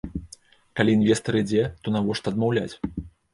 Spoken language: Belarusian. Калі інвестар ідзе, то навошта адмаўляць?